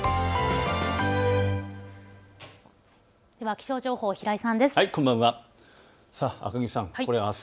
気象情報、平井さんです。